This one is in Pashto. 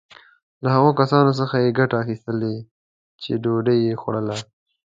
له هغو کسانو څخه یې ګټه اخیستله چې ډوډی یې خوړله.